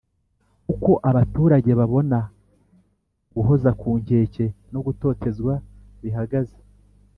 Uko abaturage babona guhoza ku nkeke no gutotezwa bihagaze